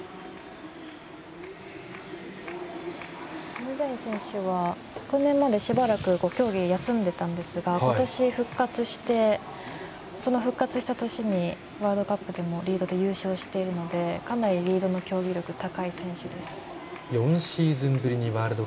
キム・ジャイン選手は昨年まで、しばらく競技を休んでいたんですが今年復活してその復活した年にワールドカップでもリードで優勝しているのでかなりリードの競技力高い選手です。